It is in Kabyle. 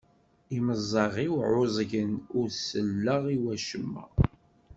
Imeẓẓaɣ-iw ɛuẓgen ur selleɣ i wacemma.